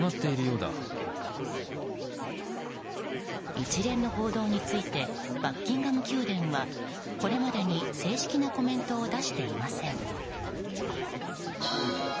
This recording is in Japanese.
一連の報道についてバッキンガム宮殿はこれまでに正式なコメントを出していません。